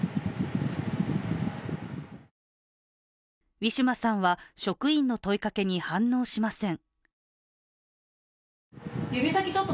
ウィシュマさんは職員の問いかけに反応しません。